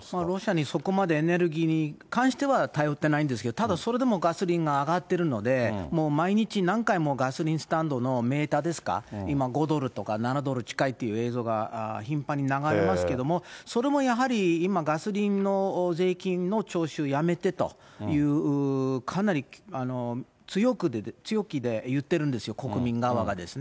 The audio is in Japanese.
ロシアにそこまでエネルギーに関しては頼ってないんですけれども、ただそれでもガソリンが上がってるので、もう毎日、何回もガソリンスタンドのメーターですか、今、５ドルとか７ドル近いっていう映像が頻繁に流れますけれども、それもやはり今、ガソリンの税金の徴収やめてという、かなり強気で言ってるんですよ、国民側が。